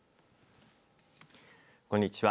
こんにちは。